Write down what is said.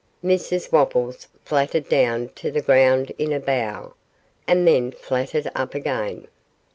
Mrs Wopples fluttered down to the ground in a bow, and then fluttered up again.